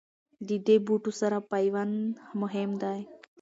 د دې بوټو سره پیوند مهم دی.